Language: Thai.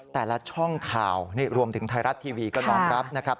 แต่ละช่องข่าวรวมถึงไทยรัตน์ทีวีก็นอนครับ